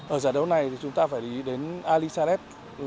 ở giải đấu này thì chúng ta phải lý đến ali salet